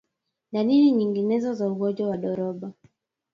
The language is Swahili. Dalili nyinginezo za ugonjwa wa ndorobo